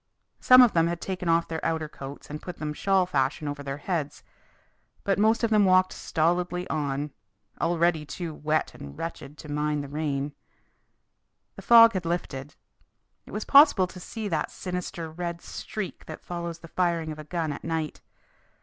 Some of them had taken off their outer coats and put them shawl fashion over their heads. But most of them walked stolidly on, already too wet and wretched to mind the rain. The fog had lifted. It was possible to see that sinister red streak that follows the firing of a gun at night.